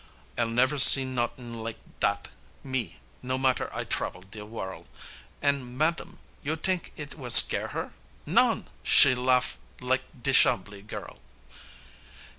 I'll never see not'ing lak dat, me, no matter I travel de worl', An' Ma dam, you t'ink it was scare her? Non, she laugh lak de Chambly girl!